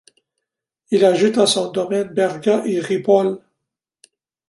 Il ajoute à son domaine Berga et Ripoll.